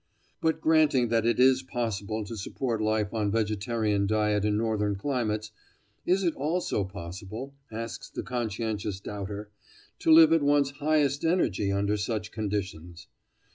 But granting that it is possible to support life on vegetarian diet in northern climates, is it also possible, asks the conscientious doubter, to live at one's highest energy under such conditions?